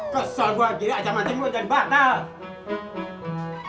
kesel gua kira aja matemu udah dibatal